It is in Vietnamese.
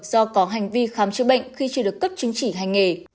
do có hành vi khám chữa bệnh khi chưa được cấp chứng chỉ hành nghề